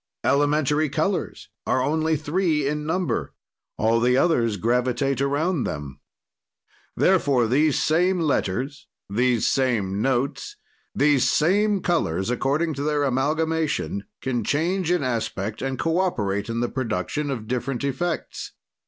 "Elementary colors are only three in number. "All the others gravitate around them. "Therefore, these same letters, these same notes, these same colors, according to their amalgamation, can change in aspect and cooperate in the production of different effects.